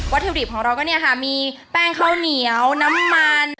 ถุดิบของเราก็เนี่ยค่ะมีแป้งข้าวเหนียวน้ำมัน